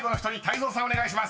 お願いします］